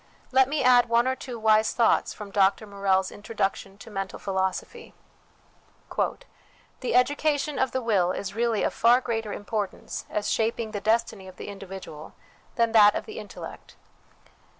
Let me add one or two wise thoughts from Dr Morell's Introduction to Mental Philosophy :" The education of the will is really of far greater importance, as shaping the destiny of the individual, than that of the intellect.